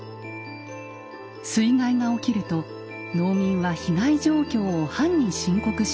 水害が起きると農民は被害状況を藩に申告していました。